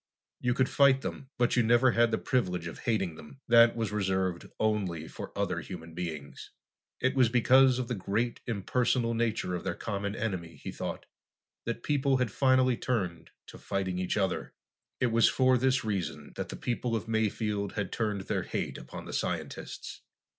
You could fight them, but you never had the privilege of hating them. That was reserved only for other human beings. It was because of the great, impersonal nature of their common enemy, he thought, that people had finally turned to fighting each other. It was for this reason that the people of Mayfield had turned their hate upon the scientists.